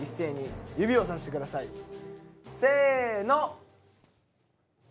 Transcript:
せの！